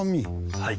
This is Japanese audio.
はい。